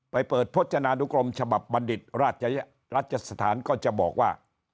ไปเปิดพจนานุกรมฉบับบัณฑิตราชสถานก็จะบอกว่า